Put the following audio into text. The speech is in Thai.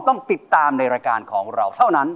ต้องติดตามในรายการของเราเท่านั้น